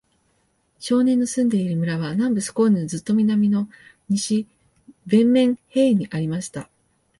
少年の住んでいる村は、南部スコーネのずっと南の、西ヴェンメンヘーイにありました。